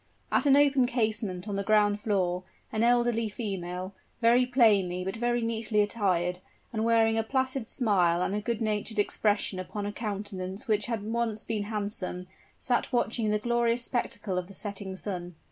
At an open casement on the ground floor, an elderly female, very plainly but very neatly attired, and wearing a placid smile and a good natured expression upon a countenance which had once been handsome, sat watching the glorious spectacle of the setting sun.